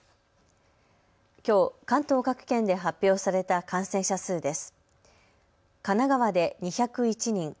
きょう、関東各県で発表された感染者数です。